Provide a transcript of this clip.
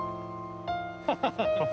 ハハハッ！